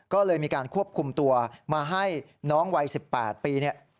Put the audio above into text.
ก็เลยมีการควบคุมตัวมาให้น้องวัย๑๘ปีเนี่ย